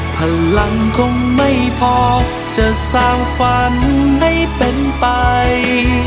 พลังคงไม่พอจะสร้างฝันให้เป็นไป